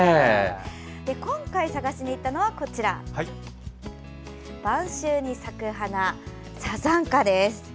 今回、探しに行ったのは晩秋に咲く花、サザンカです。